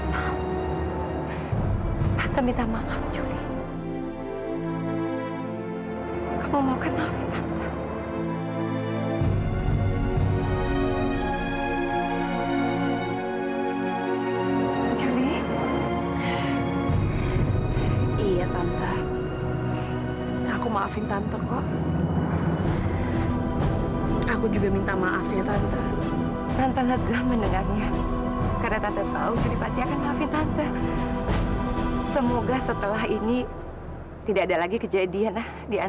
sampai jumpa di video selanjutnya